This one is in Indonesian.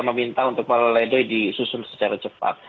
meminta untuk play doi disusun secara cepat